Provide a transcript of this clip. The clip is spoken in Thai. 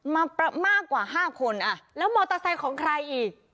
มามากกว่า๕คนแล้วมอเตอร์ไซค์ของใครอีก